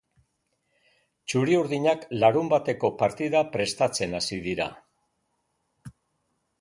Txuri-urdinak larunbateko partida prestatzen hasi dira.